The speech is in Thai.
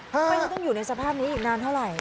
ไม่ได้ต้องอยู่ในสภาพนี้อีกนานเท่าไหร่